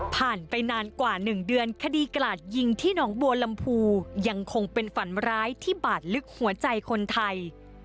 ผ่านไปนานกว่า๑เดือนคดีกลาดยิงที่หนองบัวลำพูยังคงเป็นฝันร้ายที่บาดลึกหัวใจคนไทย